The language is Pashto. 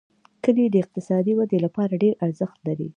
کلي د اقتصادي ودې لپاره ډېر ارزښت لري.